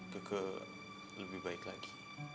keke lebih baik lagi